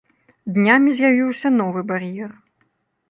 Днямі з'явіўся новы бар'ер.